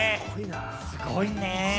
すごいね。